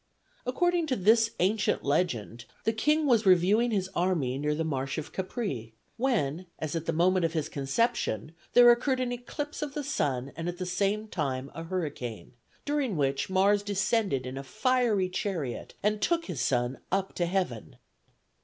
According to this ancient legend, the king was reviewing his army near the marsh of Capræ, when, as at the moment of his conception, there occurred an eclipse of the sun and at the same time a hurricane, during which Mars descended in a fiery chariot and took his son up to heaven.